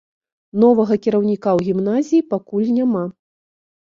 Новага кіраўніка ў гімназіі пакуль няма.